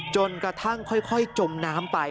จนกระทั่งค่อยจมน้ำไป